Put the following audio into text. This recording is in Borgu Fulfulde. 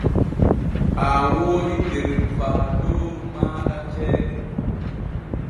Aa woodi der faadooru maaɗa ceede.